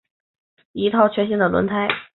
但是维特尔手头多了一套全新的软胎。